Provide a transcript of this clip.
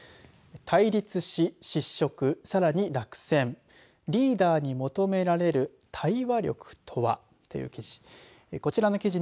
対立し失職さらに落選リーダーに求められる対話力とはという記事。